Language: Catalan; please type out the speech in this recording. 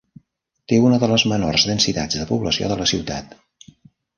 Té una de les menors densitats de població de la ciutat.